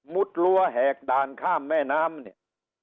รั้วแหกด่านข้ามแม่น้ำเนี่ย